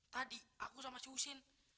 tadi aku sama si husin